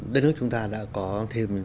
đất nước chúng ta đã có thêm